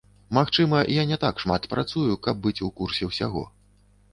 Магчыма, я не так шмат працую, каб быць у курсе ўсяго.